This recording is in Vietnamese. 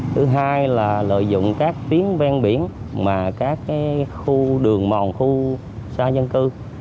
thứ hai là lợi dụng các tuyến ven biển mà các khu đường mòn khu xa dân cư